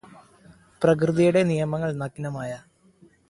പ്രകൃതിയുടെ നിയമങ്ങള് നഗ്നമായ